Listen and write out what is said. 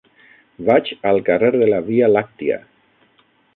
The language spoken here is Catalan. Vaig al carrer de la Via Làctia.